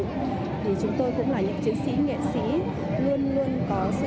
thì chúng tôi cũng là những chiến sĩ nghệ sĩ luôn luôn có sự nền mại luôn luôn có sự diễn chuyển